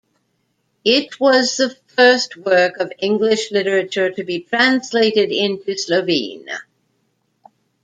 It was the first work of English literature to be translated into Slovene.